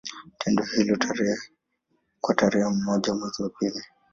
Toleo hili, kwa tarehe moja mwezi wa pili